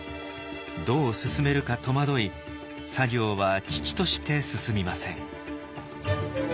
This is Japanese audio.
どう進めるか戸惑い作業は遅々として進みません。